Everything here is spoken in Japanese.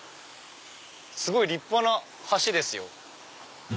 すごい立派な橋ですよ。